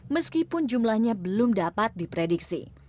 meskipun jumlahnya belum dapat diprediksi